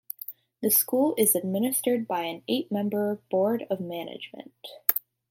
The school is administered by an eight-member Board of Management.